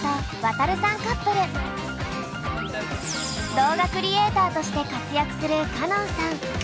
動画クリエーターとして活躍する歌音さん。